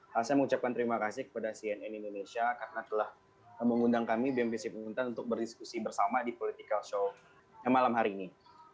saya mengucapkan terima kasih kepada cnn indonesia karena telah mengundang kami bmvc pemintan untuk berdiskusi bersama di political show yang malam hari ini